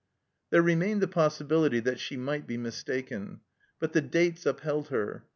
There remained the possibility that she might be mistaken. But the dates upheld her.